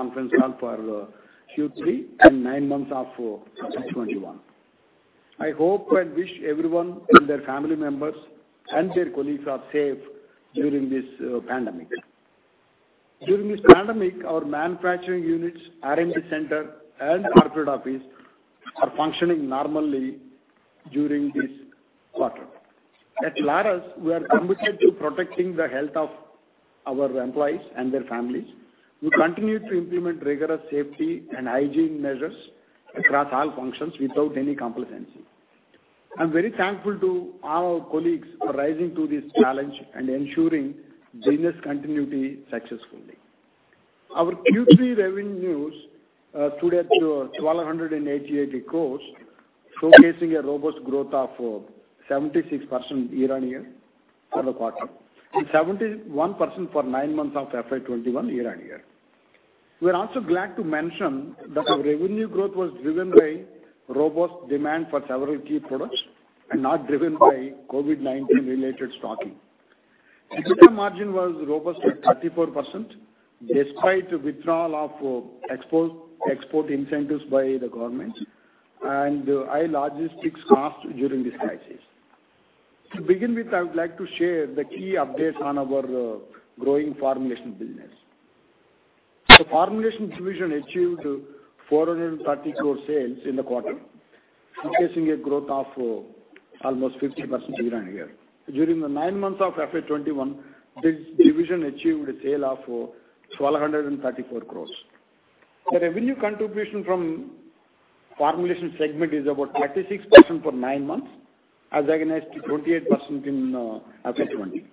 Conference call for Q3 and nine months of 2021. I hope and wish everyone and their family members and their colleagues are safe during this pandemic. During this pandemic, our manufacturing units, R&D center, and corporate office are functioning normally during this quarter. At Laurus, we are committed to protecting the health of our employees and their families. We continue to implement rigorous safety and hygiene measures across all functions without any complacency. I'm very thankful to all our colleagues for rising to this challenge and ensuring business continuity successfully. Our Q3 revenues stood at 1,288 crore, showcasing a robust growth of 76% year-on-year for the quarter, and 71% for nine months of FY 2021 year-on-year. We're also glad to mention that the revenue growth was driven by robust demand for several key products and not driven by COVID-19 related stocking. The EBITDA margin was robust at 34%, despite withdrawal of export incentives by the government and high logistics costs during this crisis. To begin with, I would like to share the key updates on our growing formulation business. The formulations division achieved 730 crore sales in the quarter, showcasing a growth of almost 50% year-on-year. During the nine months of FY 2021, this division achieved a sale of 1,234 crore. The revenue contribution from formulation segment is about 36% for nine months as against 28% in FY 2020.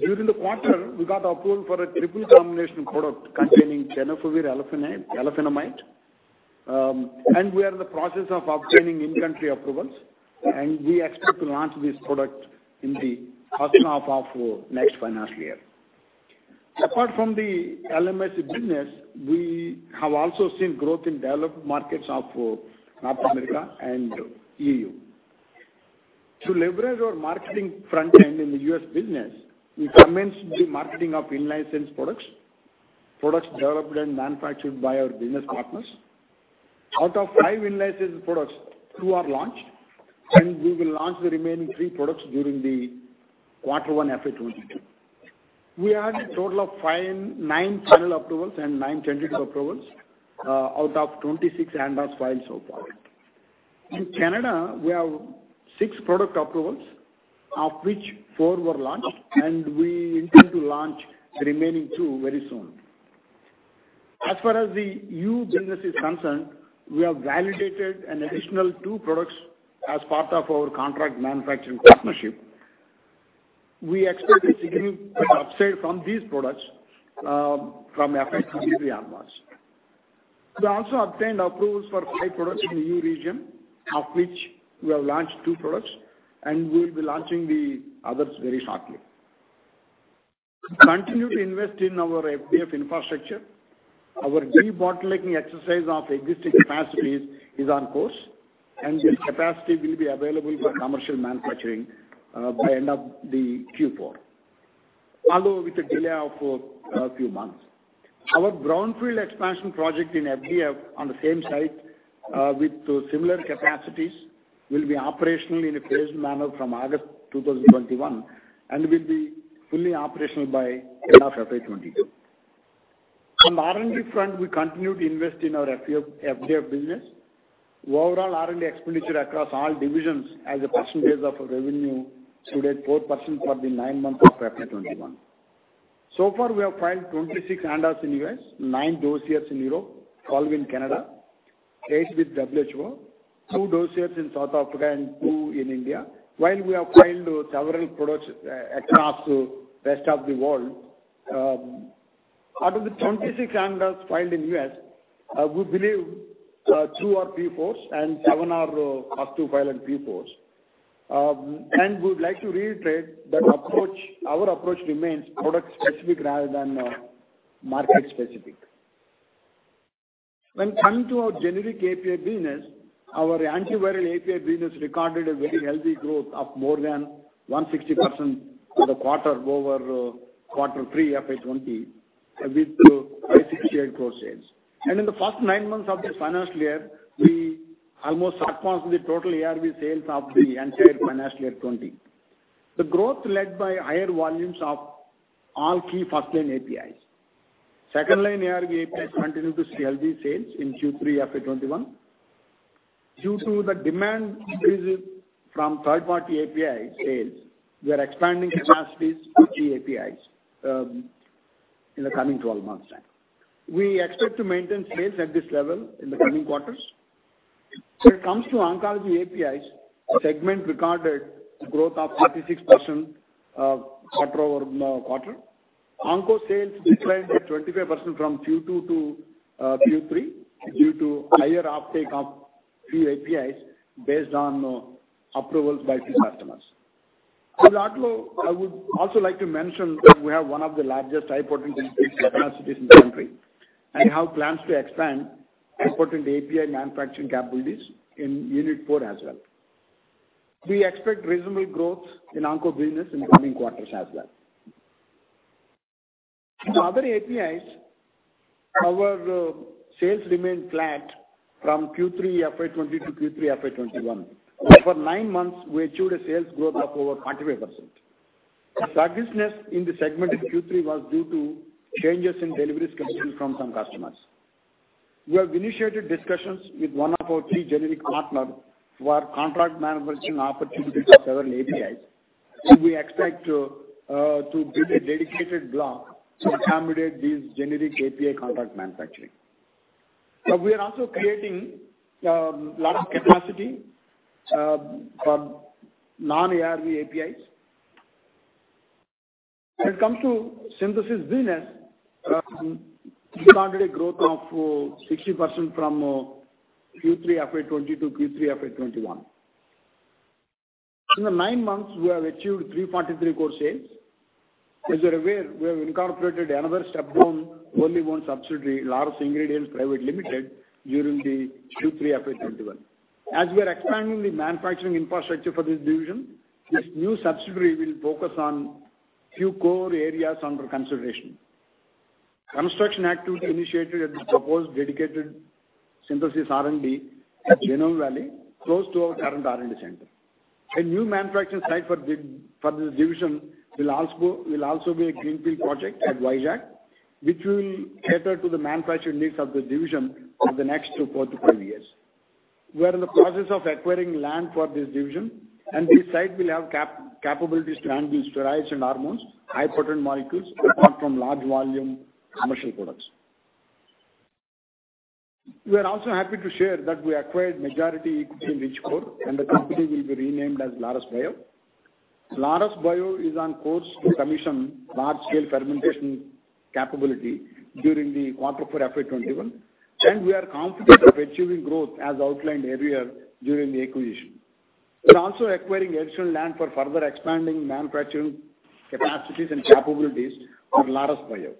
During the quarter, we got approval for a triple combination product containing tenofovir alafenamide, and we are in the process of obtaining in-country approvals, and we expect to launch this product in the first half of next financial year. Apart from the LMIC business, we have also seen growth in developed markets of North America and E.U. To leverage our marketing front end in the U.S. business, we commenced the marketing of in-licensed products developed and manufactured by our business partners. Out of five in-licensed products, two are launched, and we will launch the remaining three products during the quarter one FY 2022. We added a total of nine final approvals and nine tentative approvals out of 26 ANDAs filed so far. In Canada, we have six product approvals, of which four were launched, and we intend to launch the remaining two very soon. As far as the E.U. business is concerned, we have validated an additional two products as part of our contract manufacturing partnership. We expect a significant upside from these products from FY 2023 onwards. We also obtained approvals for five products in the E.U. region, of which we have launched two products, and we'll be launching the others very shortly. We continue to invest in our FDF infrastructure. Our debottlenecking exercise of existing capacities is on course, and this capacity will be available for commercial manufacturing by end of the Q4, although with a delay of a few months. Our brownfield expansion project in FDF on the same site with similar capacities will be operational in a phased manner from August 2021 and will be fully operational by end of FY 2022. On the R&D front, we continue to invest in our FDF business. Overall R&D expenditure across all divisions as a percentage of revenue stood at 4% for the nine months of FY 2021. So far, we have filed 26 ANDAs in U.S., nine dossiers in Europe, 12 in Canada, eight with WHO, two dossiers in South Africa, and two in India, while we have filed several products across the rest of the world. Out of the 26 ANDAs filed in U.S., we believe two are P4s and seven are first-to-file in P4s. We would like to reiterate that our approach remains product-specific rather than market-specific. When coming to our generic API business, our antiviral API business recorded a very healthy growth of more than 160% for the quarter-over-quarter Q3 FY 2020, with INR 568 crore sales. In the first nine months of this financial year, we almost surpassed the total ARV sales of the entire FY 2020. The growth led by higher volumes of all key first-line APIs. Second line ARV APIs continued to see healthy sales in Q3 FY 2021. Due to the demand increase from third-party API sales, we are expanding capacities for key APIs in the coming 12 months time. We expect to maintain sales at this level in the coming quarters. When it comes to oncology APIs, segment recorded growth of 36% quarter-over-quarter. Onco sales declined by 25% from Q2 to Q3 due to higher uptake of few APIs based on approvals by key customers. I would also like to mention that we have one of the largest high potency API capacities in the country and have plans to expand high potency API manufacturing capabilities in Unit four as well. We expect reasonable growth in Onco business in the coming quarters as well. In other APIs, our sales remained flat from Q3 FY 2020 to Q3 FY 2021. Over nine months, we achieved a sales growth of over 25%. The sluggishness in the segment in Q3 was due to changes in deliveries coming in from some customers. We have initiated discussions with one of our key generic partners for contract manufacturing opportunities for several APIs. We expect to build a dedicated block to accommodate these generic API contract manufacturing. We are also creating a lot of capacity for non-ARV APIs. When it comes to Synthesis business, we recorded a growth of 60% from Q3 FY 2020 to Q3 FY 2021. In the nine months we have achieved 343 crore sales. As you're aware, we have incorporated another step-down, wholly-owned subsidiary, Laurus Ingredients Private Limited, during the Q3 FY 2021. As we are expanding the manufacturing infrastructure for this division, this new subsidiary will focus on few core areas under consideration. Construction activity initiated at the proposed dedicated Synthesis R&D at Genome Valley, close to our current R&D center. A new manufacturing site for this division will also be a greenfield project at Vizag, which will cater to the manufacturing needs of the division for the next four to five years. We are in the process of acquiring land for this division. This site will have capabilities to handle steroids and hormones, high-potent molecules, apart from large volume commercial products. We are also happy to share that we acquired majority equity in Richcore. The company will be renamed as Laurus Bio. Laurus Bio is on course to commission large-scale fermentation capability during the quarter four FY 2021. We are confident of achieving growth as outlined earlier during the acquisition. We are also acquiring additional land for further expanding manufacturing capacities and capabilities for Laurus Bio.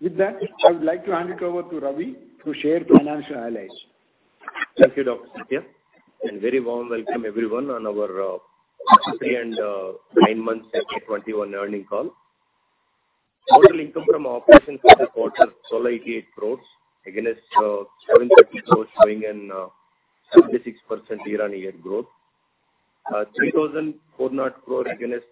With that, I would like to hand it over to Ravi to share financial highlights. Thank you, Dr. Sathya, and very warm welcome everyone on our Q3 and nine months FY 2021 earnings call. Total income from operations for the quarter, 1,288 crore against 730 crore, showing a 76% year-on-year growth. 3,400 crore against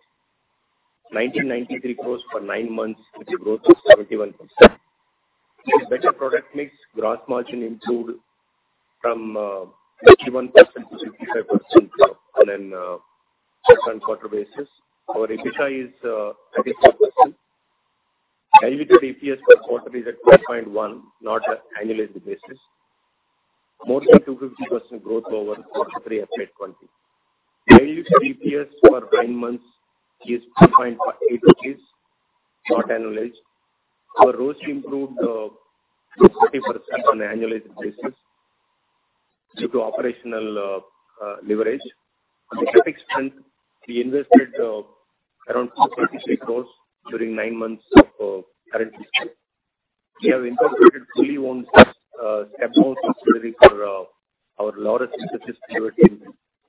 1,993 crore for nine months, with a growth of 71%. With better product mix, gross margin improved from 51% to 55% on a quarter-on-quarter basis. Our EBITDA is 34%. Diluted EPS per quarter is at 5.1, not on annualized basis. More than 250% growth over Q3 FY 2020. Diluted EPS for nine months is 12.8 rupees, not annualized. Our ROCE improved to 40% on annualized basis due to operational leverage. On the CapEx front, we invested around 433 crore during nine months of current fiscal. We have incorporated fully owned step-down subsidiary for our Laurus Synthesis unit,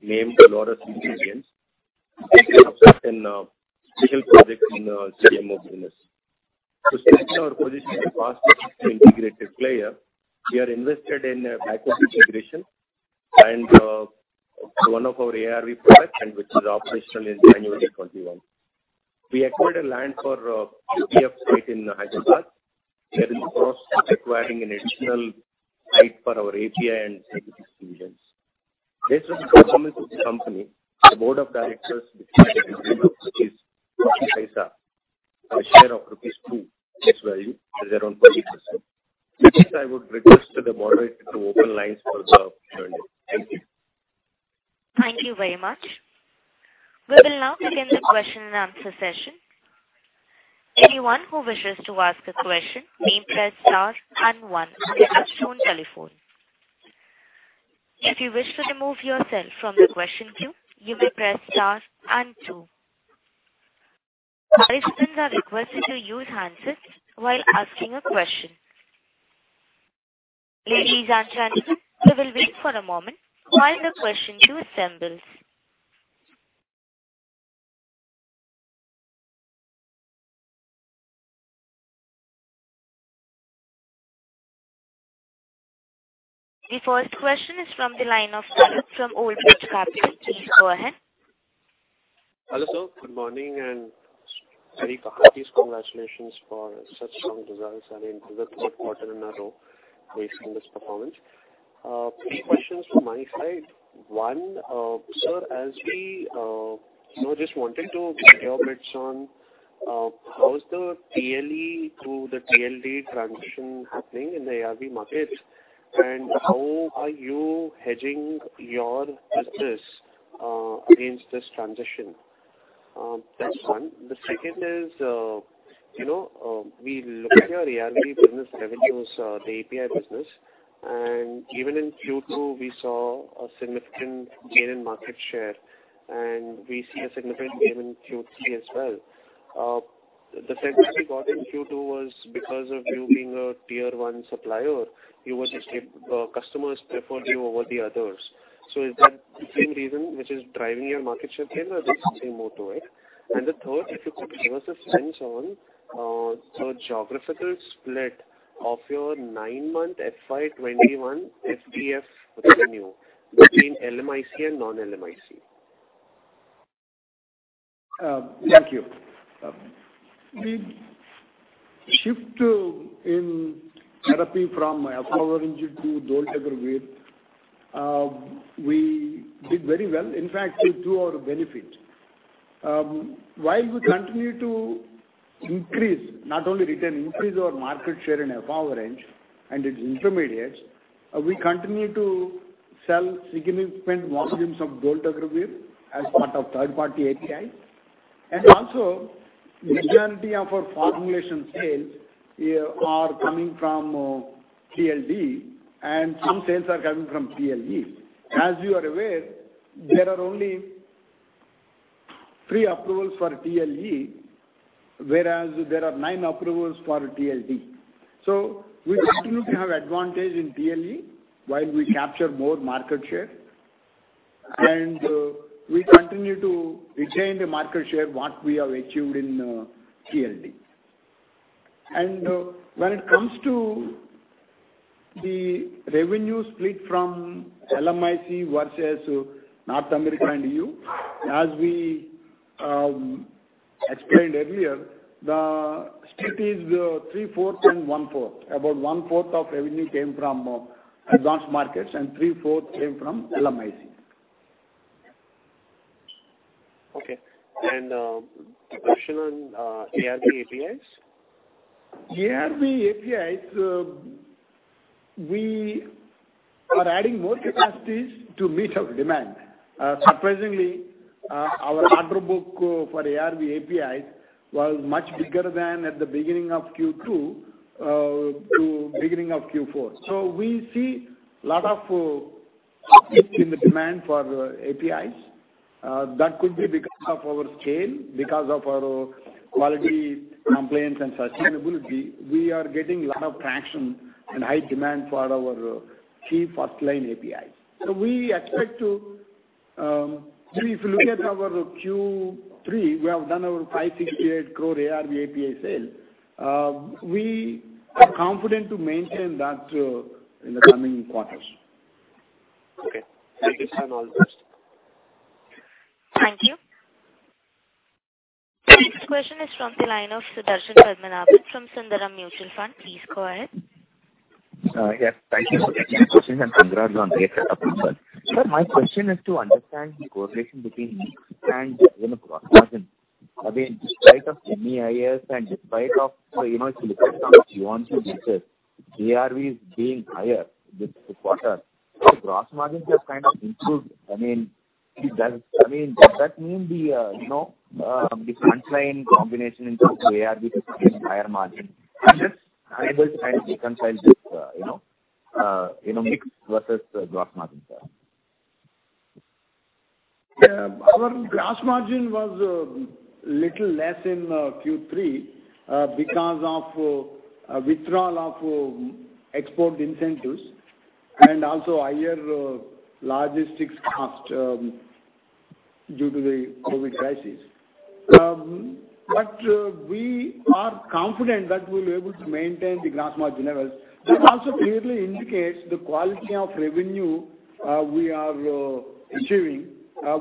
named Laurus Ingredients. They have certain special projects in CDMO business. To strengthen our position as a faster integrated player, we are invested in microbial fermentation and one of our ARV products, and which is operational in January 2021. We acquired a land for FDF site in Hyderabad. There is a process of acquiring an additional site for our API and Synthesis divisions. Based on the performance of the company, the board of directors declared a dividend of INR 0.20 per share of rupees 2. Its value is around 20%. With this, I would request the moderator to open lines for the Q&A. Thank you. Thank you very much. We will now begin the question and answer session. Anyone who wishes to ask a question may press star and one on their touch-tone telephone. If you wish to remove yourself from the question queue, you may press star and two. Participants are requested to use handsets while asking a question. Ladies and gentlemen, we will wait for a moment while the question queue assembles. The first question is from the line of Tarang from Old Bridge Capital. Please go ahead. Hello, sir. Good morning. Very heartiest congratulations for such strong results and the third quarter in a row we're seeing this performance. Three questions from my side. One, sir, just wanted to get your bits on how is the TLE to the TLD transition happening in the ARV market, and how are you hedging your business against this transition? That's one. The second is, we look at your ARV business revenues, the API business, and even in Q2, we saw a significant gain in market share, and we see a significant gain in Q3 as well. The fact that you got into Q2 was because of you being a tier one supplier. Customers preferred you over the others. Is that the same reason which is driving your market share gain, or is there something more to it? The third, if you could give us a sense on the geographical split of your nine-month FY 2021 FDF revenue between LMIC and non-LMIC? Thank you. The shift in therapy from efavirenz to dolutegravir, we did very well. In fact, to our benefit. While we continue to increase, not only retain, increase our market share in efavirenz and its intermediates, we continue to sell significant volumes of dolutegravir as part of third-party APIs. Also, majority of our formulation sales are coming from TLD and some sales are coming from TLE. As you are aware, there are only three approvals for TLE, whereas there are nine approvals for TLD. We continue to have advantage in TLE while we capture more market share, and we continue to retain the market share, what we have achieved in TLD. When it comes to the revenue split from LMIC versus North America and EU, as we explained earlier, the split is 3/4 and 1/4. About 1/4 of revenue came from advanced markets and 3/4 came from LMIC. Okay. A question on ARV APIs. ARV APIs, we are adding more capacities to meet our demand. Surprisingly, our order book for ARV APIs was much bigger than at the beginning of Q2 to beginning of Q4. We see lot of demand for APIs. That could be because of our scale, because of our quality, compliance, and sustainability. We are getting lot of traction and high demand for our key first-line APIs. If you look at our Q3, we have done our 568 crore ARV API sale. We are confident to maintain that in the coming quarters. Okay. Thank you, sir. Thank you. Next question is from the line of Sudarshan Padmanabhan from Sundaram Mutual Fund. Please go ahead. Yes. Thank you for taking the question, and congrats on the quarter. Sir, my question is to understand the correlation between mix and even gross margin. Again, despite of MEIS and despite of one-off measures, ARV is being higher this quarter. Gross margins have kind of improved. Does that mean the front-line combination in terms of ARV is giving higher margin? I'm just trying to reconcile this mix versus gross margin, sir. Our gross margin was little less in Q3 because of withdrawal of export incentives and also higher logistics cost due to the COVID crisis. We are confident that we'll be able to maintain the gross margin levels. That also clearly indicates the quality of revenue we are achieving.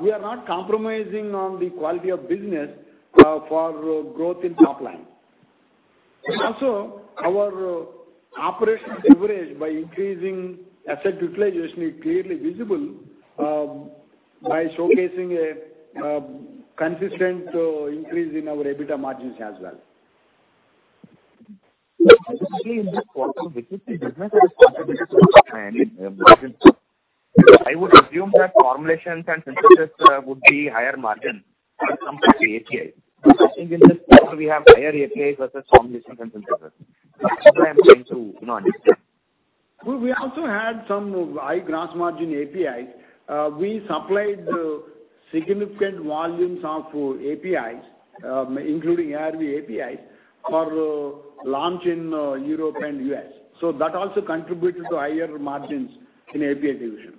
We are not compromising on the quality of business for growth in top line. Also, our operational leverage by increasing asset utilization is clearly visible by showcasing a consistent increase in our EBITDA margins as well. Typically, in this quarter business I would assume that formulations and Synthesis would be higher margin as compared to APIs. I think in this quarter, we have higher APIs versus formulations and Synthesis. That's where I'm trying to understand. We also had some high gross margin APIs. We supplied significant volumes of APIs, including ARV APIs, for launch in Europe and U.S. That also contributed to higher margins in API division.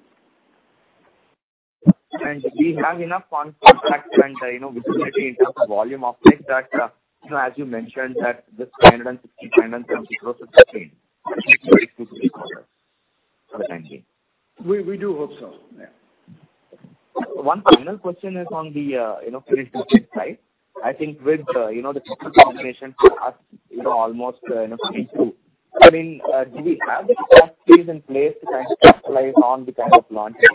Do you have enough contracts and visibility in terms of volume of this that, as you mentioned that this 560 crore-570 crore is sustained for the time being? We do hope so, yeah. One final question is on this side. I think with the combination almost I mean, do we have the capacities in place to capitalize on the kind of launches?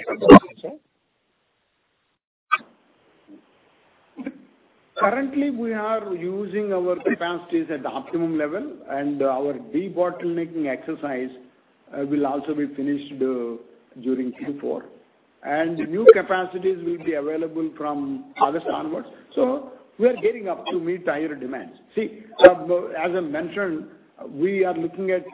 Currently, we are using our capacities at the optimum level, and our debottlenecking exercise will also be finished during Q4. New capacities will be available from August onwards. We are gearing up to meet the higher demands. See, as I mentioned, we are looking at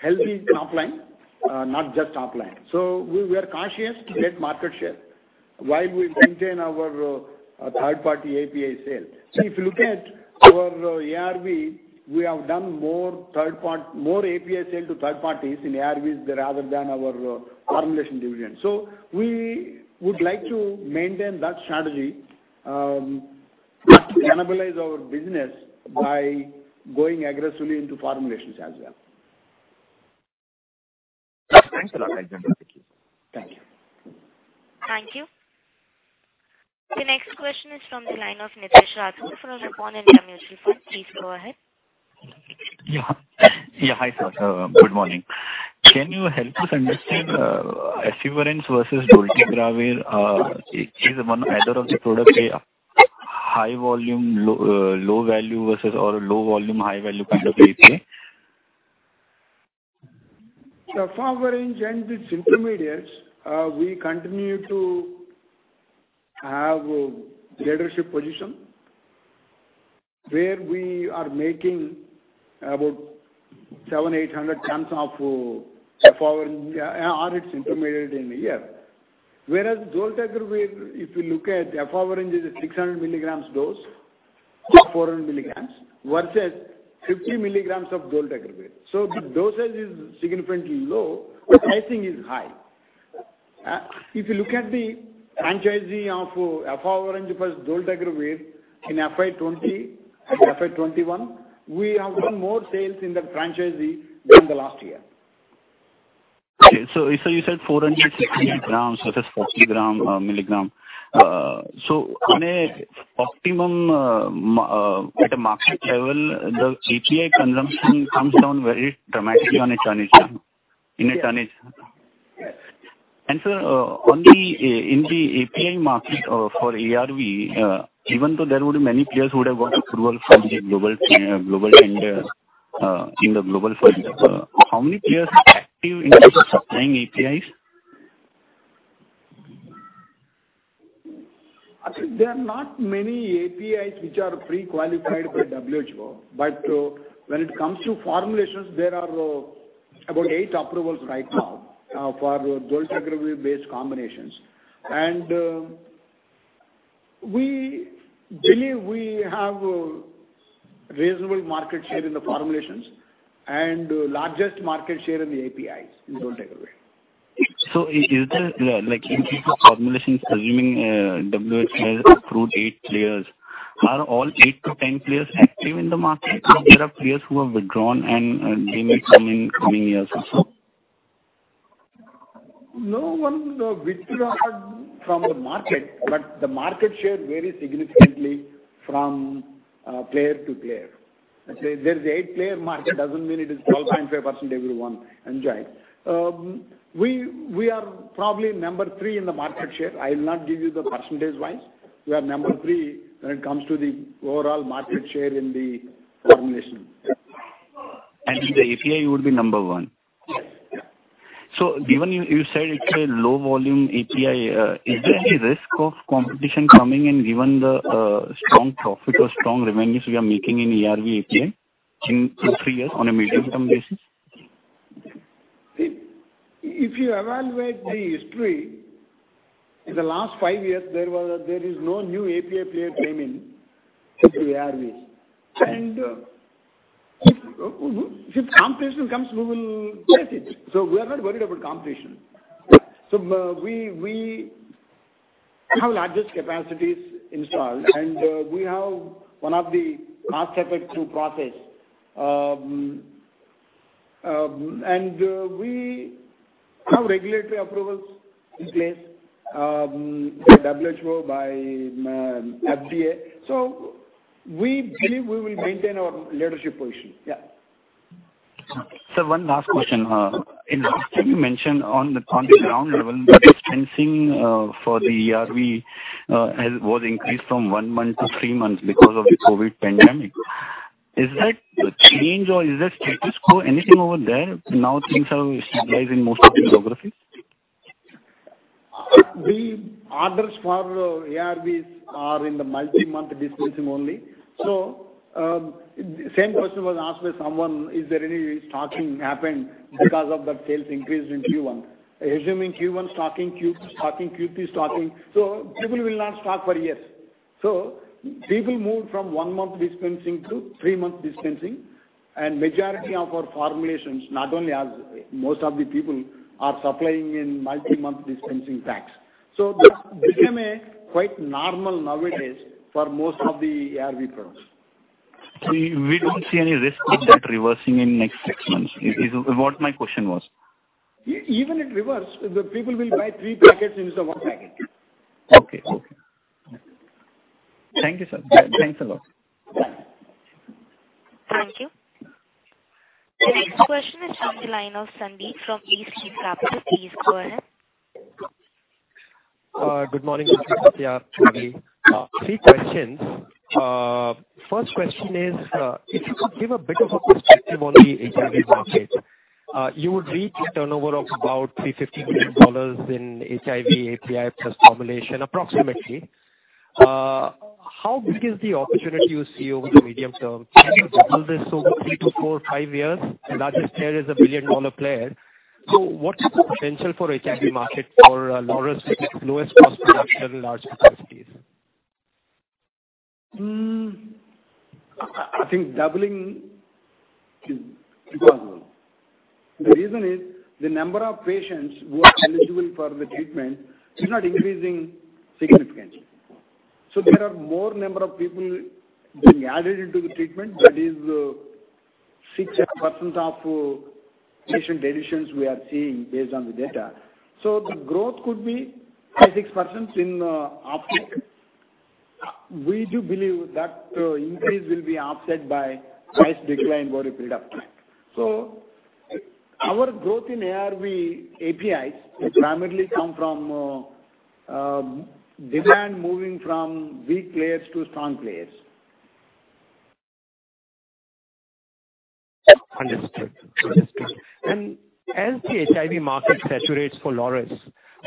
healthy top line, not just top line. We are cautious to get market share while we maintain our third-party API sale. If you look at our ARV, we have done more API sale to third parties in ARVs rather than our formulation division. We would like to maintain that strategy, but cannibalize our business by going aggressively into formulations as well. Thanks a lot. Thank you. Thank you. Thank you. The next question is from the line of Ritesh Rathod from Nippon India Mutual Fund. Please go ahead. Yeah. Hi, sir. Good morning. Can you help us understand efavirenz versus dolutegravir? Is either of the products a high volume, low value versus or a low volume, high value kind of API? Efavirenz and its intermediates, we continue to have a leadership position where we are making about 700 tons-800 tons of efavirenz or its intermediate in a year. Dolutegravir, if you look at efavirenz, is at 600 mg dose, 400 mg versus 50 mg of dolutegravir. The dosage is significantly low, but pricing is high. If you look at the franchise of efavirenz plus dolutegravir in FY 2020 and FY 2021, we have done more sales in that franchise than the last year. Okay. You said 400, 600 g versus 50 mg. On a optimum at a market level, the API consumption comes down very dramatically on a tonnage. Sir, in the API market for ARV, even though there would many players who would have got approval from the global tender, how many players are active in terms of supplying APIs? I think there are not many APIs which are pre-qualified by WHO, but when it comes to formulations, there are about eight approvals right now for dolutegravir-based combinations. We believe we have a reasonable market share in the formulations and largest market share in the APIs in dolutegravir. In case of formulations, assuming WHO has approved eight players, are all 8-10 players active in the market? Or there are players who have withdrawn and they may come in coming years also? No one withdraws from the market, the market share varies significantly from player to player. There's eight-player market, doesn't mean it is 12.5% everyone enjoy. We are probably number three in the market share. I'll not give you the percentage-wise. We are number three when it comes to the overall market share in the formulation. In the API, you would be number one? Yeah. Given you said it's a low volume API, is there any risk of competition coming in given the strong profit or strong revenues we are making in ARV API in two, three years on a medium-term basis? If you evaluate the history, in the last five years, there is no new API player came in into ARVs. If competition comes, we will face it. We are not worried about competition. We have largest capacities installed, and we have one of the cost-effective throughput process. We have regulatory approvals in place by WHO, by FDF. We believe we will maintain our leadership position. Yeah. Sir, one last question. In the past year, you mentioned on the ground level the dispensing for the ARV was increased from one month to three months because of the COVID pandemic. Is that change or is that status quo, anything over there now things have stabilized in most of the geographies? The orders for ARVs are in the multi-month dispensing only. Same question was asked by someone, is there any stocking happened because of that sales increase in Q1? Assuming Q1 stocking, Q2 stocking, Q3 stocking. People will not stock for years. People moved from one-month dispensing to three-month dispensing, and majority of our formulations, not only us, most of the people are supplying in multi-month dispensing packs. That became quite normal nowadays for most of the ARV products. We don't see any risk of that reversing in next six months, is what my question was. Even it reverse, the people will buy three packets instead of one packet. Okay. Thank you, sir. Thanks a lot. Thank you. The next question is from the line of Sandeep from East Lane Capital. Please go ahead. Good morning. This is Sandeep. Three questions. First question is, if you could give a bit of a perspective on the HIV market. You would read the turnover of about $350 million in HIV API plus formulation, approximately. How big is the opportunity you see over the medium term? Can you double this over three to four, five years? Largest player is a billion-dollar player. What is the potential for HIV market for Laurus with lowest cost products in large capacities? I think doubling is possible. The reason is the number of patients who are eligible for the treatment is not increasing significantly. There are more number of people being added into the treatment, that is 6% of patient additions we are seeing based on the data. The growth could be 5%, 6% in uptake. We do believe that increase will be offset by price decline over a period of time. Our growth in ARV APIs will primarily come from demand moving from weak players to strong players. Understood. As the HIV market saturates for Laurus,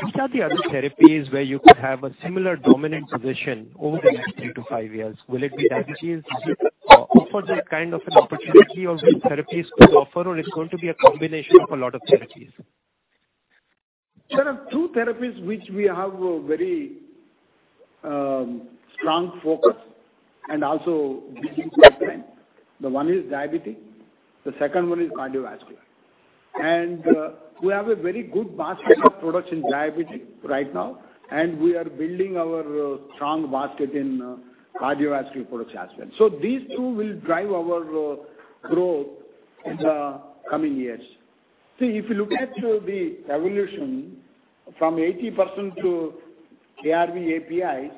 which are the other therapies where you could have a similar dominant position over the next three to five years? Will it be diabetes? Offer that kind of an opportunity of which therapies could offer, or it's going to be a combination of a lot of therapies? There are two therapies which we have a very strong focus and also beginning to invest. One is diabetic, the second one is cardiovascular. We have a very good basket of products in diabetic right now, and we are building our strong basket in cardiovascular products as well. These two will drive our growth in the coming years. See, if you look at the evolution from 80% to ARV APIs,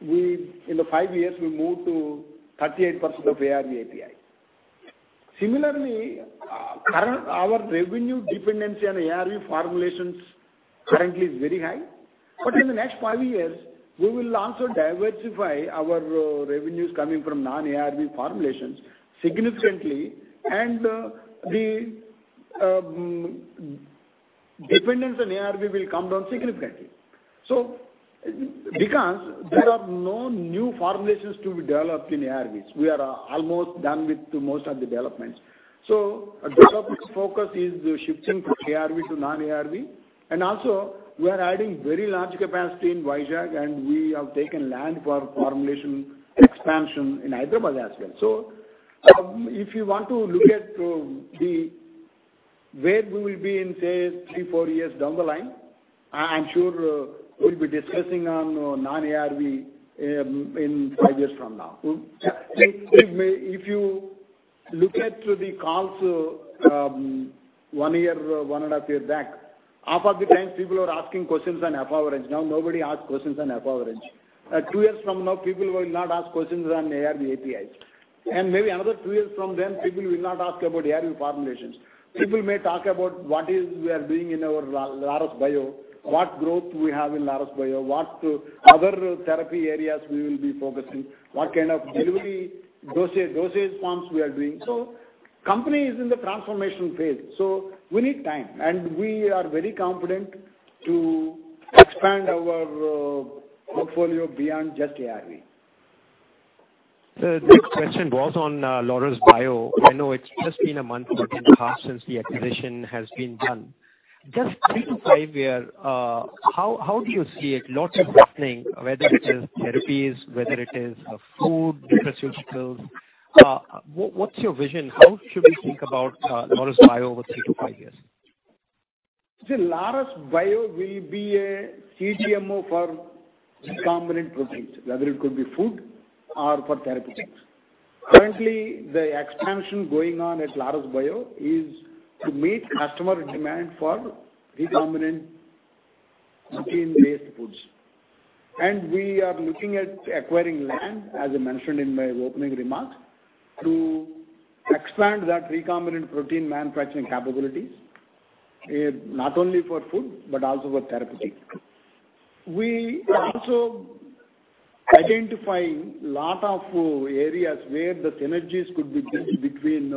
in the five years we moved to 38% of ARV APIs. Similarly, our revenue dependency on ARV formulations currently is very high. In the next five years, we will also diversify our revenues coming from non-ARV formulations significantly, and the dependence on ARV will come down significantly. Because there are no new formulations to be developed in ARVs. We are almost done with most of the developments. Development focus is shifting from ARV to non-ARV, and also we are adding very large capacity in Vizag, and we have taken land for formulation expansion in Hyderabad as well. If you want to look at where we will be in, say, three, four years down the line, I am sure we will be discussing on non-ARV in five years from now. If you look at the calls one year, one and a half year back, half of the times people were asking questions on efavirenz. Now nobody asks questions on efavirenz. Two years from now, people will not ask questions on ARV APIs. Maybe another two years from then, people will not ask about ARV formulations. People may talk about what it is we are doing in our Laurus Bio, what growth we have in Laurus Bio, what other therapy areas we will be focusing, what kind of delivery dosage forms we are doing. Company is in the transformation phase, so we need time, and we are very confident to expand our portfolio beyond just ARV. The next question was on Laurus Bio. I know it's just been a month and a half since the acquisition has been done. Just three to five years, how do you see it? Lots of happening, whether it is therapies, whether it is food, nutraceuticals. What's your vision? How should we think about Laurus Bio over three to five years? Laurus Bio will be a CDMO for recombinant proteins, whether it could be food or for therapeutics. Currently, the expansion going on at Laurus Bio is to meet customer demand for recombinant protein-based foods. We are looking at acquiring land, as I mentioned in my opening remarks, to expand that recombinant protein manufacturing capabilities, not only for food, but also for therapeutics. We are also identifying lot of areas where the synergies could be built between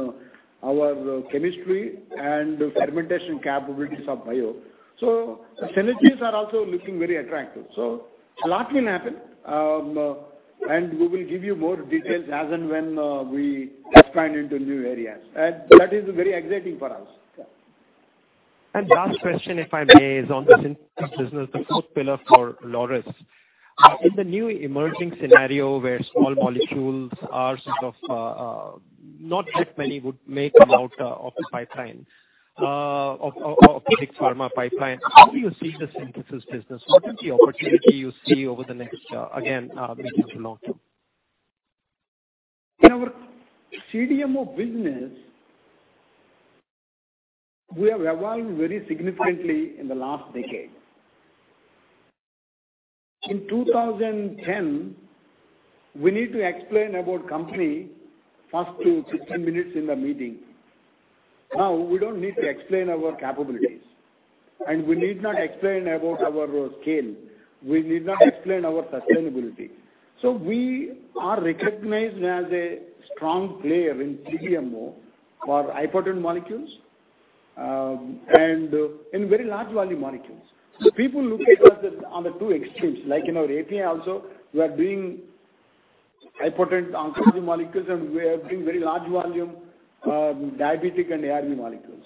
our chemistry and fermentation capabilities of bio. The synergies are also looking very attractive. A lot will happen, and we will give you more details as and when we expand into new areas. That is very exciting for us. Last question, if I may, is on the Synthesis business, the fourth pillar for Laurus. In the new emerging scenario where small molecules are sort of not that many would make them out of the Big Pharma pipeline, how do you see the Synthesis business? What is the opportunity you see over the next, again, three to five years? In our CDMO business, we have evolved very significantly in the last decade. In 2010, we need to explain about company first to 15 minutes in the meeting. Now, we don't need to explain our capabilities, and we need not explain about our scale. We need not explain our sustainability. We are recognized as a strong player in CDMO for high-potent molecules and in very large volume molecules. People look at us on the two extremes, like in our API also, we are doing high-potent oncology molecules, and we are doing very large volume diabetic and ARV molecules.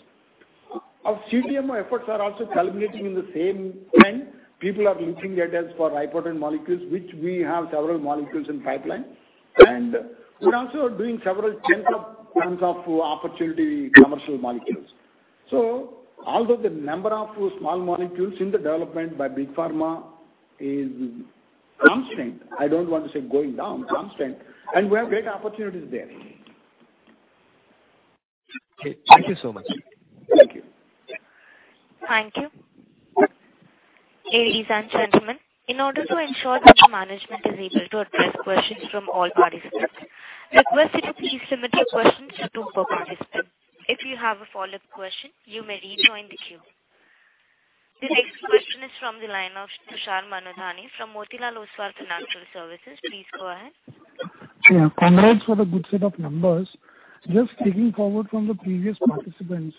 Our CDMO efforts are also culminating in the same trend. People are looking at us for high-potent molecules, which we have several molecules in pipeline. We're also doing several tons of opportunity commercial molecules. Although the number of small molecules in the development by Big Pharma is constant, I don't want to say going down, constant, and we have great opportunities there. Okay. Thank you so much. Thank you. Thank you. Ladies and gentlemen, in order to ensure that the management is able to address questions from all participants, request that you please limit your questions to one per participant. If you have a follow-up question, you may rejoin the queue. The next question is from the line of Tushar Manudhane from Motilal Oswal Financial Services. Please go ahead. Yeah, congrats for the good set of numbers. Just taking forward from the previous participant,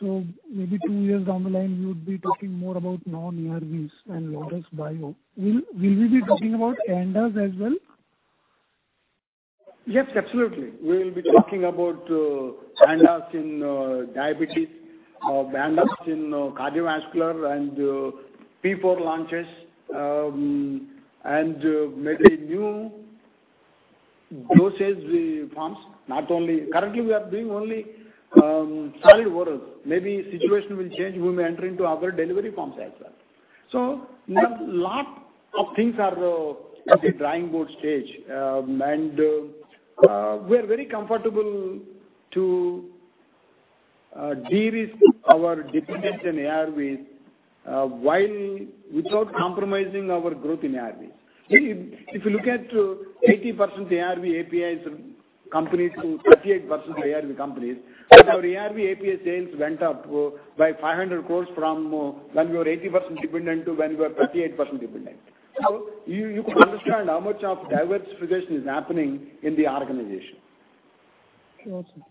maybe two years down the line, you would be talking more about non-ARVs and Laurus Bio. Will we be talking about ANDAs as well? Yes, absolutely. We will be talking about ANDAs in diabetes, ANDAs in cardiovascular, and P4 launches, and maybe new dosage forms. Currently, we are doing only solid orals. Maybe situation will change, we may enter into other delivery forms as well. Lot of things are at the drawing board stage. We are very comfortable to de-risk our dependence on ARVs without compromising our growth in ARVs. If you look at 80% ARV APIs companies to 38% ARV companies, our ARV API sales went up by 500 crore from when we were 80% dependent to when we were 38% dependent. You could understand how much of diversification is happening in the organization. Sure, sir.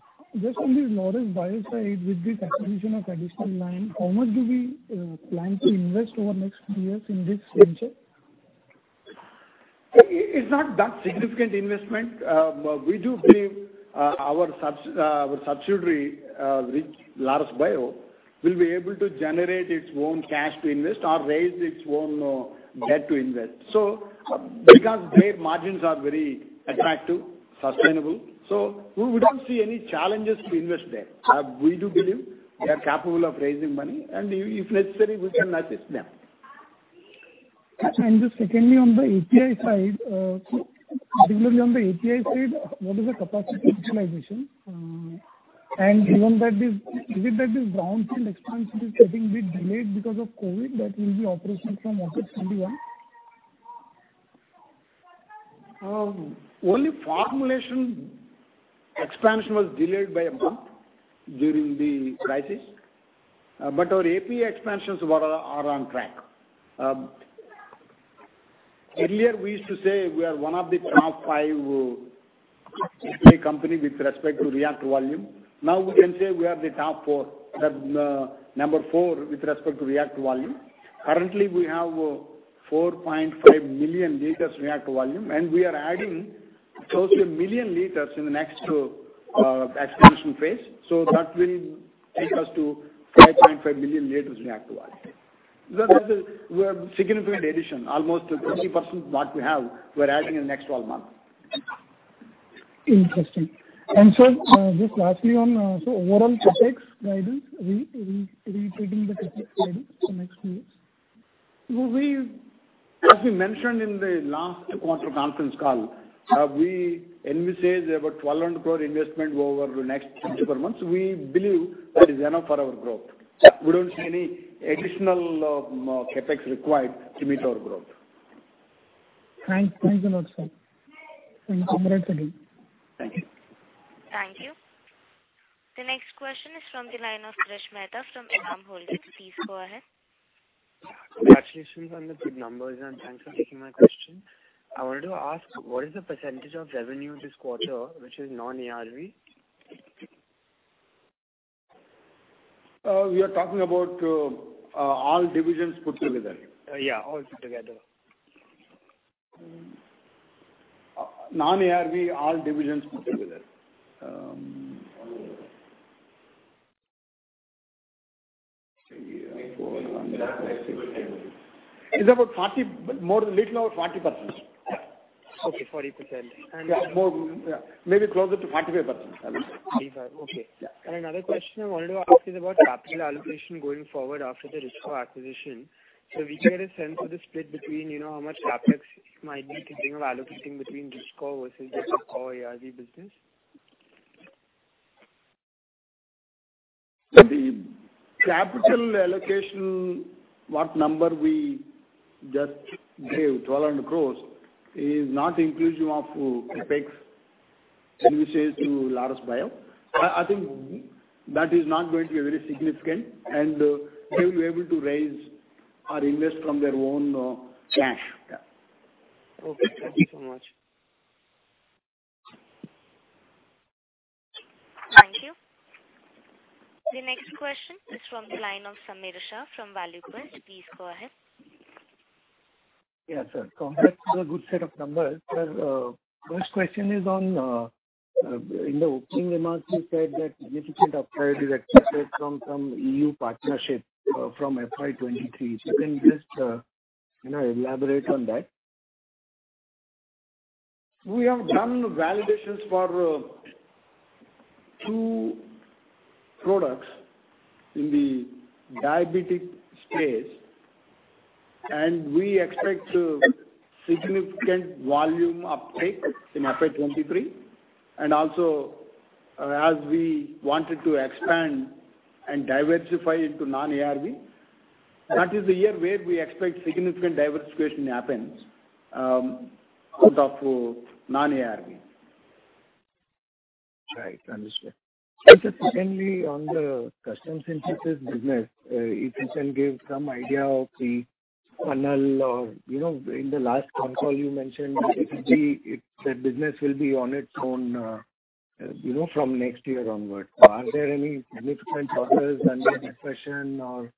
Just on the Laurus Bio side, with the acquisition of additional line, how much do we plan to invest over next few years in this venture? It's not that significant investment. We do believe our subsidiary, which Laurus Bio, will be able to generate its own cash to invest or raise its own debt to invest. Because their margins are very attractive, sustainable, we don't see any challenges to invest there. We do believe they are capable of raising money, and if necessary, we can assist them. Just secondly, on the API side, specifically on the API side, what is the capacity utilization? Given that this greenfield expansion is getting bit delayed because of COVID, that will be operational from what, 2021? Formulation expansion was delayed by a month during the crisis. Our API expansions are on track. Earlier we used to say we are one of the top five API company with respect to reactor volume. Now we can say we are the top four. Number four, with respect to reactor volume. Currently, we have 4.5 million liters reactor volume, and we are adding close to 1 million liters in the next expansion phase. That will take us to 5.5 million liters reactor volume. That is a significant addition, almost 20% what we have, we're adding in next 12 months. Interesting. Sir, just lastly on overall CapEx guidance, reiterating the CapEx guidance for next few years. As we mentioned in the last quarter conference call, we envisage about 1,200 crore investment over the next 24 months. We believe that is enough for our growth. We don't see any additional CapEx required to meet our growth. Thanks. Thank you a lot, sir. Congrats again. Thank you. Thank you. The next question is from the line of Krish Mehta from Enam Holdings. Please go ahead. Congratulations on the good numbers, and thanks for taking my question. I wanted to ask, what is the percentage of revenue this quarter, which is non-ARV? You are talking about all divisions put together? Yeah, all put together. Non-ARV, all divisions put together. It's about more than little over 40%. Okay, 40%. Yeah. Maybe closer to 45%, I would say. 45%, okay. Yeah. Another question I wanted to ask is about capital allocation going forward after the Laurus Bio acquisition. We can get a sense of the split between how much CapEx you might be thinking of allocating between Laurus Bio versus the Laurus Bio ARV business? The capital allocation, what number we just gave, 1,200 crore, is not inclusive of CapEx envisaged to Laurus Bio. I think that is not going to be very significant, and they will be able to raise or invest from their own cash. Yeah. Okay, thank you so much. Thank you. The next question is from the line of Sameer Shah from Value Quest. Please go ahead. Yeah, sir. Congrats to the good set of numbers. Sir, first question in the opening remarks you said that significant upgrade is expected from some E.U. Partnership from FY 2023. If you can just elaborate on that. We have done validations for two products in the diabetic space, and we expect significant volume uptake in FY 2023. Also, as we wanted to expand and diversify into non-ARV, that is the year where we expect significant diversification happens out of non-ARV. Right, understood. Just secondly, on the custom Synthesis business, if you can give some idea of the funnel? In the last con call, you mentioned that business will be on its own from next year onwards. Are there any significant orders under discussion, or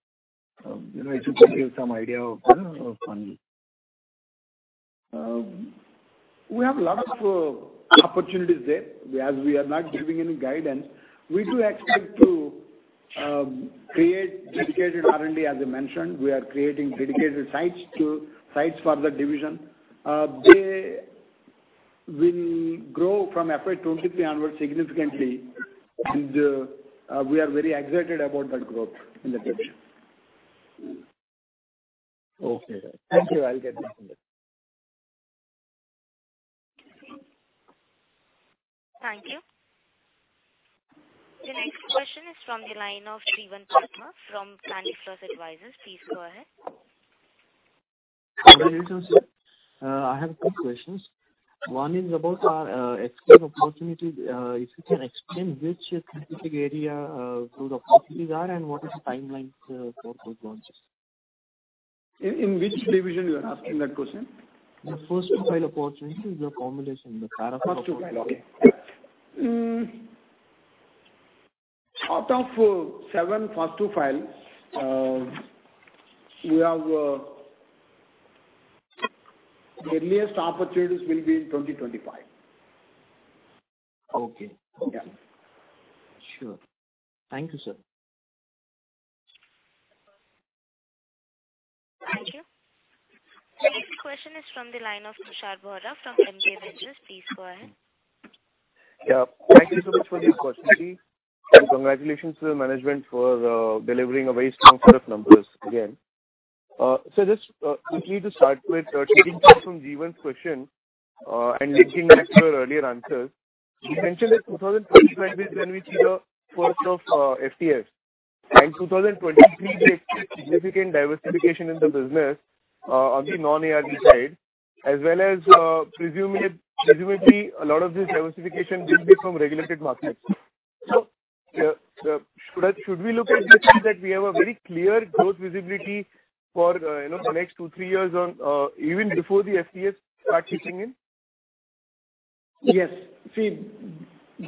if you can give some idea of the funnel? We have lots of opportunities there. As we are not giving any guidance, we do expect to create dedicated R&D. As I mentioned, we are creating dedicated sites for the division. They will grow from FY 2023 onwards significantly. We are very excited about that growth in that division. Okay. Thank you. I'll get back on that. Thank you. The next question is from the line of Jeevan Patwa from Candyfloss Advisors. Please go ahead. Good day to you, sir. I have two questions. One is about our FTF opportunity. If you can explain which therapeutic area those opportunities are and what is the timeline for those launches? In which division you are asking that question? The first-to-file opportunity is your formulation, the Para IV formulation. Out of seven potential first-to-file, the earliest opportunities will be in 2025. Okay. Yeah. Sure. Thank you, sir. Thank you. Next question is from the line of Tushar Bora from MK Ventures. Please go ahead. Yeah. Thank you so much for the opportunity, and congratulations to the management for delivering a very strong set of numbers again. Sir, just quickly to start with, taking cues from Jeevan's question, and linking back to your earlier answers, you mentioned that 2025 is when we see the FTFs. In 2023, we expect significant diversification in the business on the non-ARV side, as well as presumably, a lot of this diversification will be from regulated markets. Should we look at this as that we have a very clear growth visibility for the next two, three years on, even before the FDFs start kicking in? Yes. See,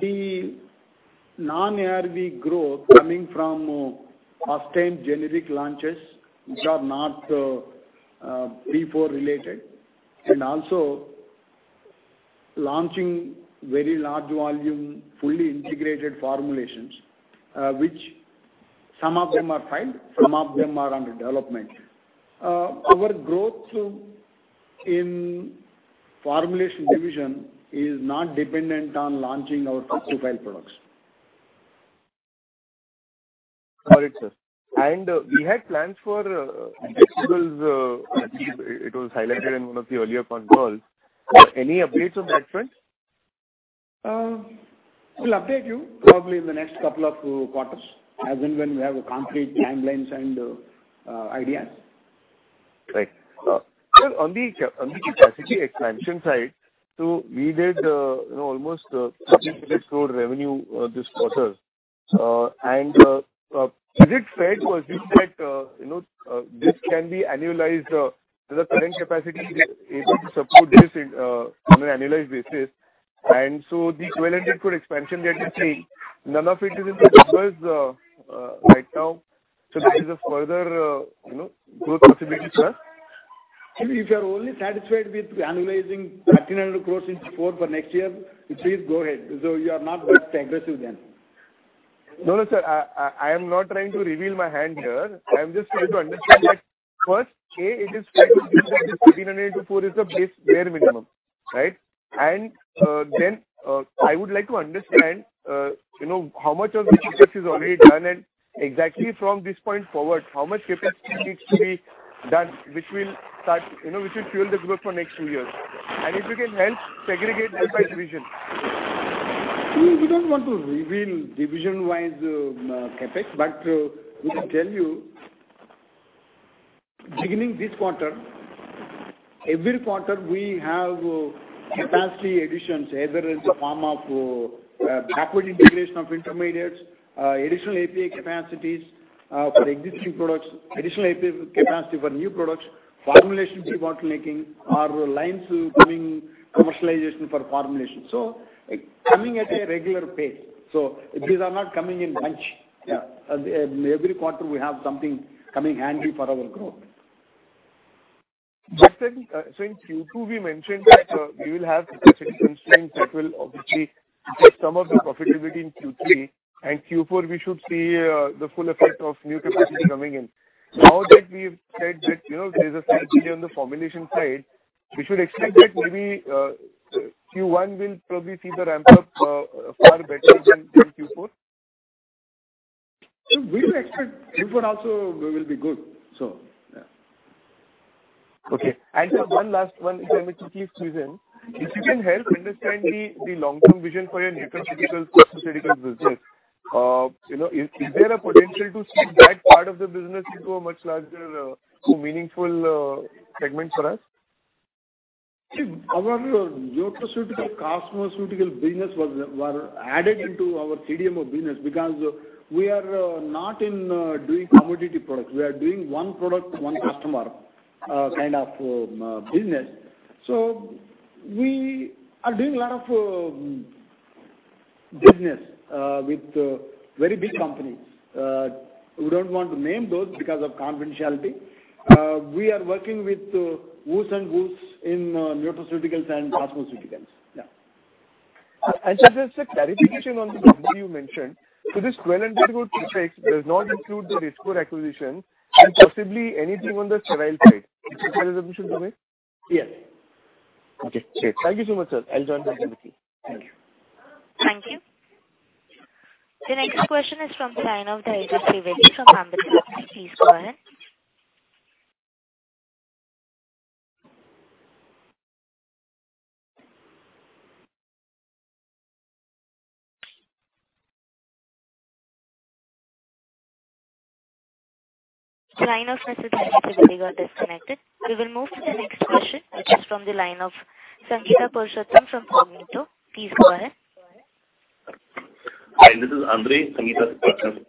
the non-ARV growth coming from first-time generic launches, these are not P4 related. Also launching very large volume, fully integrated formulations, which some of them are filed, some of them are under development. Our growth in formulation division is not dependent on launching our first-to-file products. Got it, sir. We had plans for it was highlighted in one of the earlier con calls. Any updates on that front? We'll update you probably in the next couple of quarters, as and when we have concrete timelines and ideas. Right. Sir, on the capacity expansion side, we did almost 1,300 crore revenue this quarter. Is it fair to assume that this can be annualized? The current capacity is able to support this on an annualized basis. The 1200 crore expansion that you are saying, none of it is in the CapEx right now. That is a further growth possibility for us. If you are only satisfied with annualizing 1,300 crore in Q4 for next year, please go ahead. You are not that aggressive then. No, sir. I am not trying to reveal my hand here. I'm just trying to understand that first, A, it is fair to assume that this 1,300 into four is the base bare minimum. Then I would like to understand how much of the CapEx is already done and exactly from this point forward, how much capacity needs to be done, which will fuel the growth for next few years. If you can help segregate by division. We don't want to reveal division-wise CapEx, but we can tell you. Beginning this quarter, every quarter we have capacity additions, either in the form of backward integration of intermediates, additional API capacities for existing products, additional API capacity for new products, formulation debottlenecking, or lines coming commercialization for formulation. Coming at a regular pace. These are not coming in bunch. Yeah. Every quarter we have something coming handy for our growth. In Q2, we mentioned that we will have capacity constraints that will obviously take some of the profitability in Q3 and Q4, we should see the full effect of new capacity coming in. Now that we've said that there is a synergy on the formulation side, we should expect that maybe Q1 will probably see the ramp-up far better than Q4? We expect Q4 also will be good. Yeah. Okay. Sir, one last one, if I may quickly squeeze in. If you can help understand the long-term vision for your nutraceutical cosmeceuticals business. Is there a potential to see that part of the business into a much larger, more meaningful segment for us? Our nutraceutical cosmeceuticals business was added into our CDMO business because we are not doing commodity products. We are doing one product, one customer kind of business. We are doing a lot of business with very big companies. We don't want to name those because of confidentiality. We are working with whos and whos in nutraceuticals and cosmeceuticals. Yeah. Sir, just a clarification on the number you mentioned. This 1200 crore does not include the Richcore acquisition and possibly anything on the sterile side. Is that a reasonable summary? Yes. Okay, great. Thank you so much, sir. I'll join back the meeting. Thank you. Thank you. The next question is from the line of Dhiraj Raval from Amber Capital. Please go ahead. The line of Mr. Dhiraj Raval got disconnected. We will move to the next question, which is from the line of Sangeeta Purushottam from Cognito. Please go ahead. Hi, this is Andrey, Sangeeta's partner.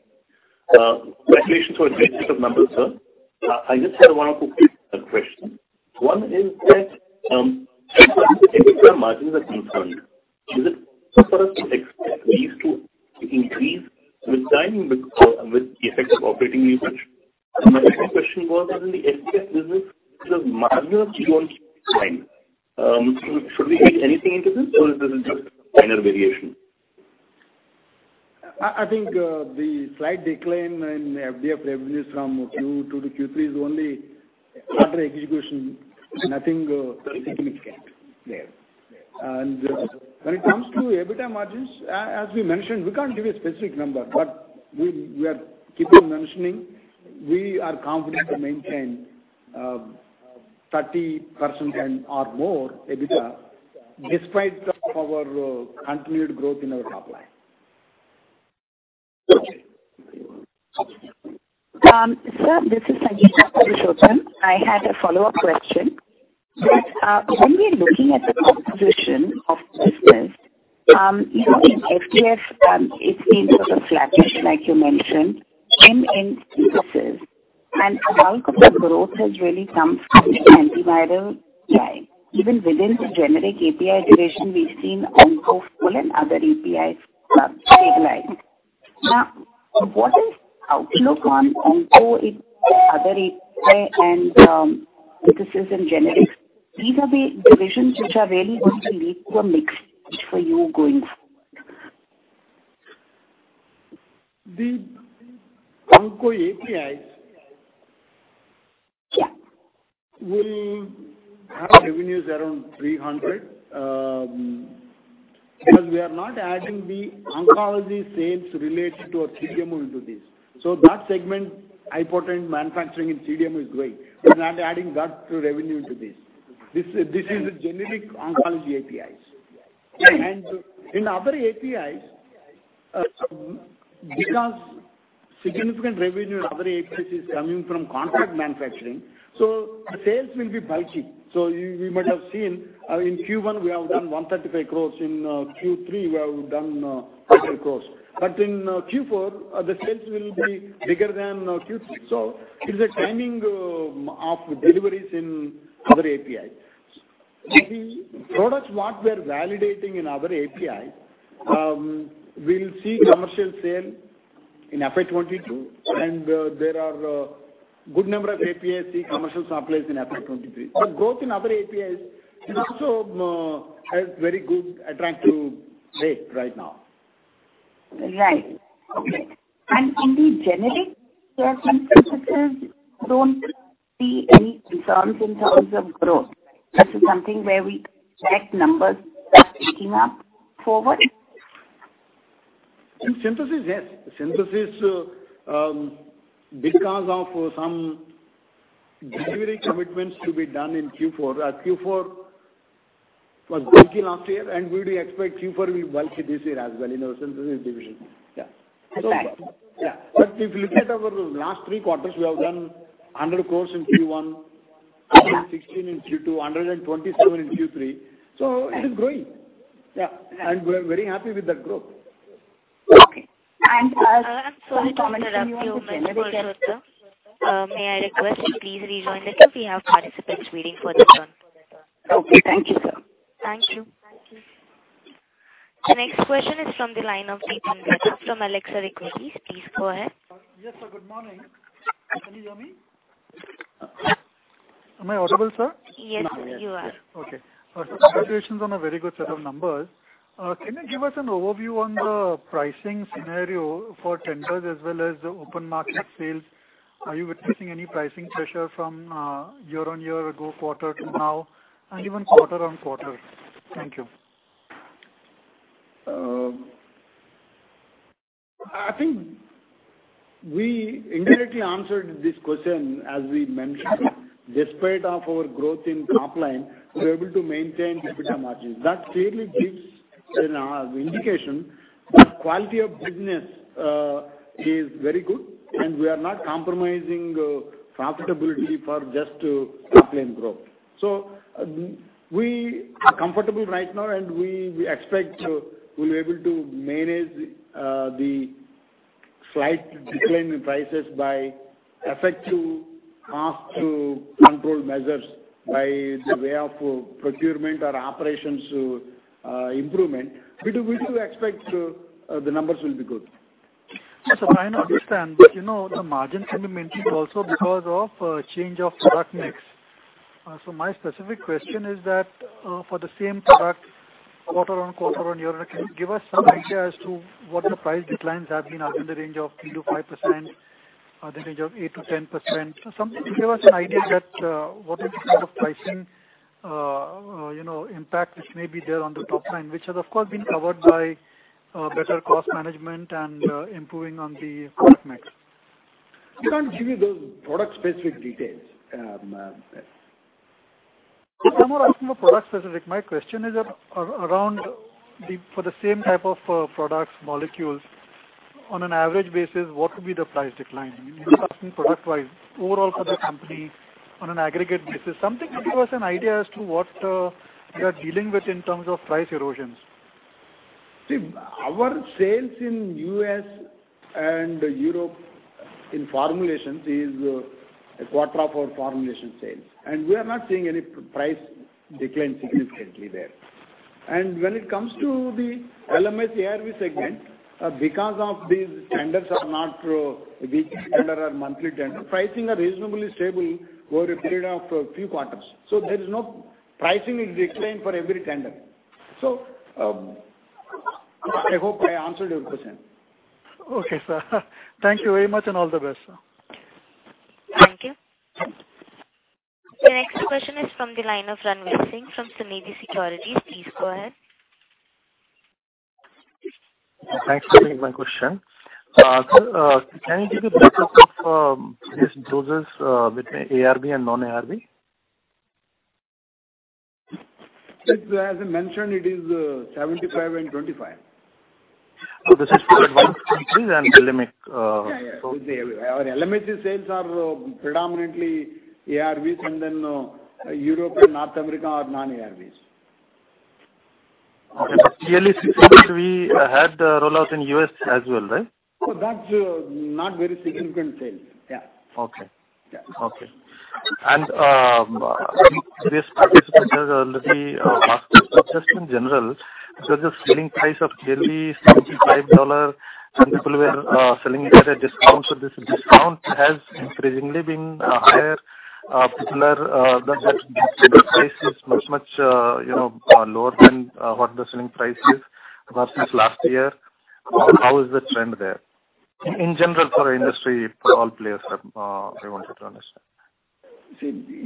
Congratulations on a great set of numbers, sir. I just had one or two quick questions. One is that as far as the EBITDA margins are concerned, is it fair for us to expect these to increase with time with the effects of operating leverage? My second question was on the FDF business, which was marginal Q on Q decline. Should we read anything into this or is this just minor variation? I think the slight decline in FDF revenues from Q2 to Q3 is only order execution, nothing significant. Right. When it comes to EBITDA margins, as we mentioned, we can't give a specific number. We are keeping mentioning, we are confident to maintain 30% and or more EBITDA despite our continued growth in our top line. Okay. Sir, this is Sangeeta Purushottam. I had a follow-up question. When we are looking at the composition of business, in FDF, it's been sort of flattish, like you mentioned, and in Synthesis, and a bulk of the growth has really come from the antiviral line. Even within the generic API division, we've seen Onco and other APIs stabilize. What is the outlook on Onco, other API, and Synthesis and generics? These are the divisions which are really going to lead to a mix change for you going forward. The Onco APIs will have revenues around 300 because we are not adding the oncology sales related to our CDMO into this. That segment, high potent manufacturing in CDMO is great. We're not adding that revenue into this. This is generic oncology APIs. In other APIs, because significant revenue in other APIs is coming from contract manufacturing, the sales will be bulky. You might have seen in Q1, we have done 135 crore. In Q3, we have done 30 crore. In Q4, the sales will be bigger than Q3. It's a timing of deliveries in other APIs. The products what we are validating in other APIs, we'll see commercial sale in FY 2022, and there are a good number of APIs see commercial supplies in FY 2023. Growth in other APIs is also has very good attractive rate right now. Right. Okay. In the generic Synthesis, don't see any concerns in terms of growth. This is something where we expect numbers picking up forward? In Synthesis, yes. Synthesis because of some delivery commitments to be done in Q4. Our Q4 was bulky last year, and we do expect Q4 will be bulky this year as well in our Synthesis division. Perfect. If you look at our last three quarters, we have done 100 crore in Q1, 116 crore in Q2, 127 crore in Q3. It is growing. Yeah. We're very happy with that growth. Okay. Sorry to interrupt you, may I request you please rejoin the queue? We have participants waiting for their turn. Okay. Thank you, sir. Thank you. The next question is from the line of Dipan Mehta from Elexir Equities. Please go ahead. Yes, sir. Good morning. Can you hear me? Am I audible, sir? Yes, you are. Okay. Sir, congratulations on a very good set of numbers. Can you give us an overview on the pricing scenario for tenders as well as open market sales? Are you witnessing any pricing pressure from year-over-year or quarter to now, and even quarter-on-quarter? Thank you. I think we indirectly answered this question as we mentioned, despite of our growth in top line, we are able to maintain EBITDA margins. That clearly gives an indication that quality of business is very good, and we are not compromising profitability for just top-line growth. We are comfortable right now, and we expect we will be able to manage the slight decline in prices by effective cost control measures by the way of procurement or operations improvement. We do expect the numbers will be good. Sir, I understand. The margin can be maintained also because of change of product mix. My specific question is that, for the same product, quarter on quarter on year, can you give us some idea as to what the price declines have been? Are they in the range of 3%-5%, are they in the range of 8%-10%? Give us an idea that what is the kind of pricing impact which may be there on the top line, which has, of course, been covered by better cost management and improving on the product mix. We can't give you those product-specific details. I'm not asking for product specific. My question is around for the same type of products, molecules, on an average basis, what could be the price decline? I'm not asking product wise. Overall for the company on an aggregate basis, something to give us an idea as to what you are dealing with in terms of price erosions. Our sales in U.S. and Europe in formulations is a quarter of our formulation sales. We are not seeing any price decline significantly there. When it comes to the LMIC ARV segment, because of these tenders are not weekly tender or monthly tender, pricing are reasonably stable over a period of few quarters. There is no pricing decline for every tender. I hope I answered your question. Okay, sir. Thank you very much, and all the best. Thank you. The next question is from the line of Ranvir Singh from Sunidhi Securities. Please go ahead. Thanks for taking my question. Sir, can you give a breakup of business growth between ARV and non-ARV? As I mentioned, it is 75% and 25%. This is for advanced countries and LMIC. Yeah. Our LMIC sales are predominantly ARVs. Europe and North America are non-ARVs. Okay. Clearly we had the rollout in U.S. as well, right? Oh, that's not very significant sales. Yeah. Okay. Yeah. Okay. This participant has already asked this, but just in general, sir, the selling price of clearly at $75, some people were selling it at a discount. This discount has increasingly been higher, particular than what the selling price is much lower than what the selling price is versus last year. How is the trend there? In general, for the industry, for all players, sir, we wanted to understand.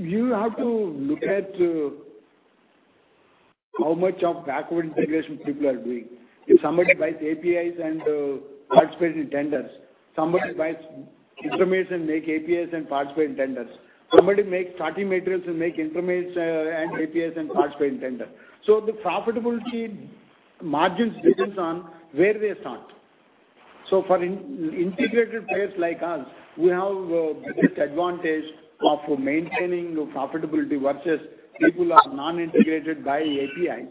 You have to look at how much of backward integration people are doing. If somebody buys APIs and participates in tenders, somebody buys intermediates and makes APIs and participates in tenders. Somebody makes starting materials and makes intermediates and APIs and participates in tender. The profitability margins depend on where they start. For integrated players like us, we have the biggest advantage of maintaining profitability versus people who are non-integrated, buy API,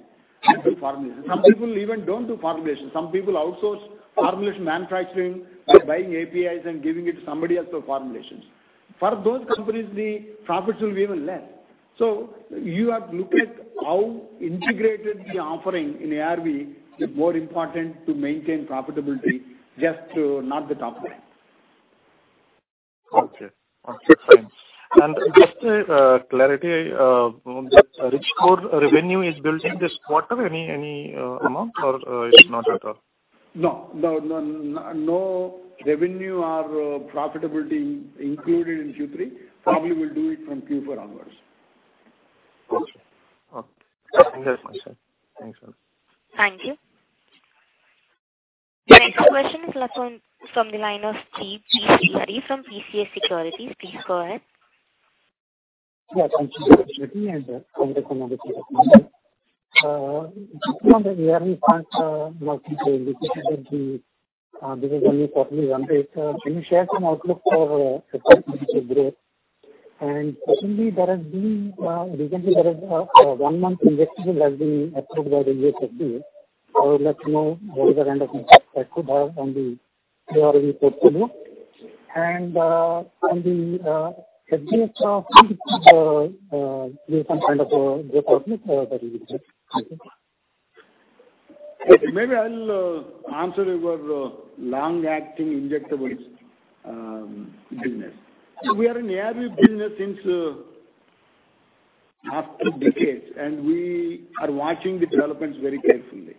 and do formulation. Some people even don't do formulation. Some people outsource formulation manufacturing by buying APIs and giving it to somebody else for formulations. For those companies, the profits will be even less. You have to look at how integrated the offering in ARV is more important to maintain profitability, just to not the top line. Okay. Fine. Just a clarity, on the Richcore revenue is built in this quarter, any amount, or it is not at all? No. No revenue or profitability included in Q3. Probably we'll do it from Q4 onwards. Got it. Okay. Thanks very much, sir. Thanks. Thank you. The question is from the line of C Srihari from PCS Securities. Please go ahead. Yeah. Thanks for the opportunity and congrats on. Just on the ARV front, management indicated that this was only partly ramped. Can you share some outlook for the current financial growth? Recently, there is a one-month injectable has been approved by the U.S. FDA. I would like to know what is the kind of impact that could have on the ARV portfolio. On the FDF front, give some kind of a growth outlook for that, if you can. Thank you. Maybe I'll answer your long-acting injectables business. We are in ARV business since past two decades, and we are watching the developments very carefully.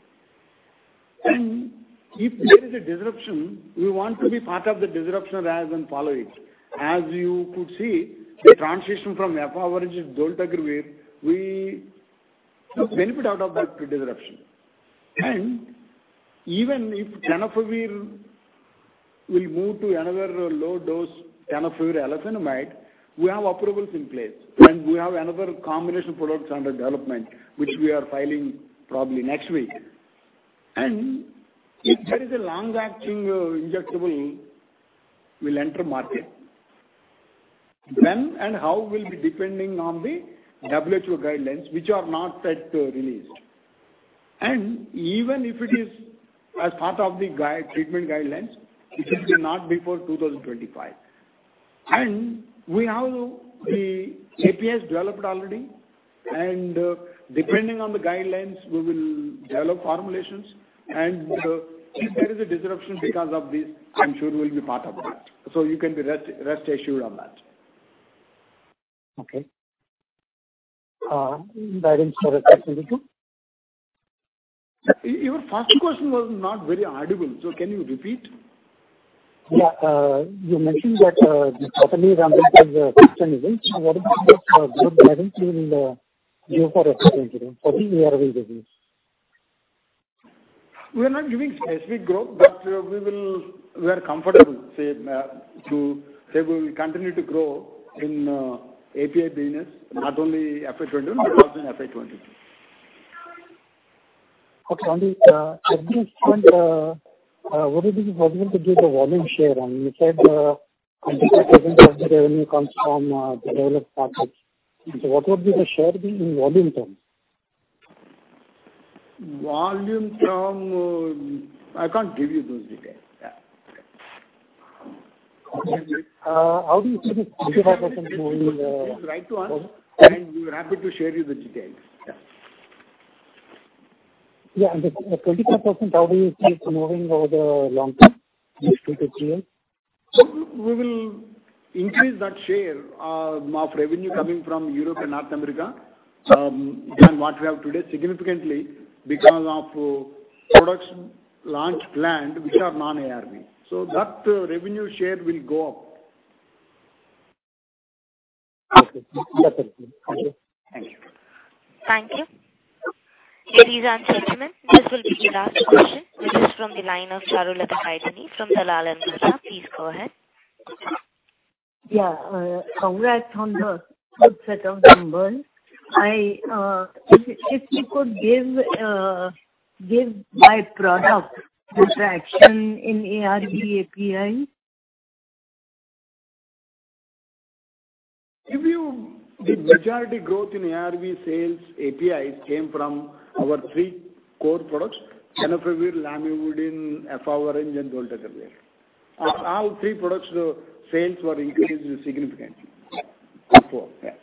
If there is a disruption, we want to be part of the disruption rather than follow it. As you could see, the transition from efavirenz to dolutegravir, we benefit out of that disruption. Even if tenofovir will move to another low-dose tenofovir alafenamide, we have approvals in place. We have another combination product under development, which we are filing probably next week. If there is a long-acting injectable will enter market, when and how will be depending on the WHO guidelines, which are not set to release. Even if it is as part of the treatment guidelines, it will be not before 2025. We have the APIs developed already, and depending on the guidelines, we will develop formulations. If there is a disruption because of this, I'm sure we'll be part of it. You can be rest assured on that. Okay. Guidance for the rest of the year? Your first question was not very audible, so can you repeat? Yeah. You mentioned that the company ramped for the next 10 years. What about the growth guidance you will give for FY 2024 for the ARV business? We're not giving specific growth, but we are comfortable to say we will continue to grow in API business, not only FY 2020, but also in FY 2023. Okay. On the FDA front, would it be possible to give the volume share? You said percentage of the revenue comes from the developed markets. What would be the share be in volume terms? Volume term, I can't give you those details. Yeah. How do you see this 25% moving? Please write to us, and we're happy to share you the details. Yeah. Yeah. The 25%, how do you see it moving over the long term, next two to three years? We will increase that share of revenue coming from Europe and North America than what we have today significantly because of products launch planned, which are non-ARV. That revenue share will go up. Okay. That's it. Thank you. Thank you. Ladies and gentlemen, this will be the last question, which is from the line of Charulata Gaidhani from Dalal & Broacha. Please go ahead. Yeah. Congrats on the good set of numbers. If you could give by product the traction in ARV API? The majority growth in ARV sales APIs came from our three core products: tenofovir, lamivudine, efavirenz, and dolutegravir. All three products, the sales were increased significantly. Q4. Yeah.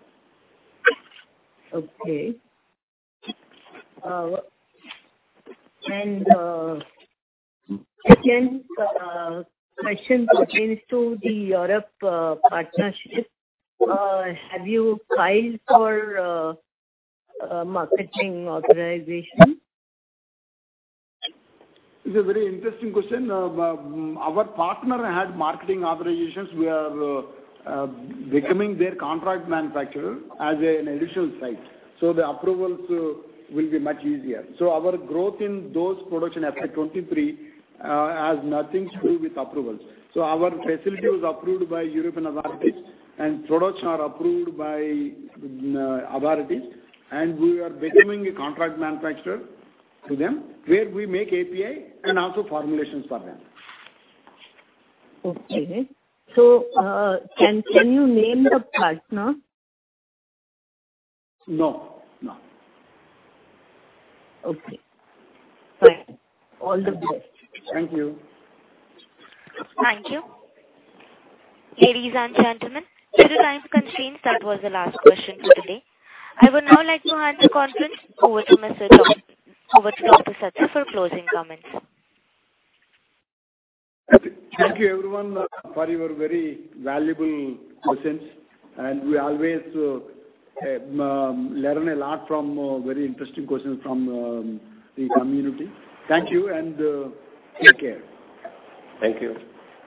Okay. Again, question pertains to the Europe partnerships. Have you filed for marketing authorization? It's a very interesting question. Our partner had marketing authorizations. We are becoming their contract manufacturer as an additional site. The approvals will be much easier. Our growth in those production FY 2023 has nothing to do with approvals. Our facility was approved by European authorities, and products are approved by authorities, and we are becoming a contract manufacturer to them, where we make API and also formulations for them. Okay. Can you name the partner? No. Okay. Fine. All the best. Thank you. Thank you. Ladies and gentlemen, due to time constraints, that was the last question for today. I would now like to hand the conference over to Dr. Satya for closing comments. Thank you, everyone, for your very valuable questions. We always learn a lot from very interesting questions from the community. Thank you, and take care.